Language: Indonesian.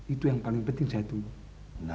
itu yang paling penting saya tunggu